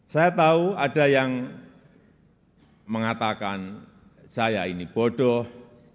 saya tahu ada yang mengatakan saya ini bodoh